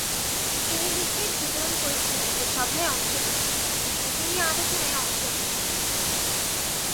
তিনি লিফলেট বিতরণ করেছিলেন ও সভায় অংশ নিয়েছিলেন, যেখানে তিনি আলোচনায় অংশ নিয়েছিলেন।